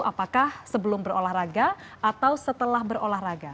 apakah sebelum berolahraga atau setelah berolahraga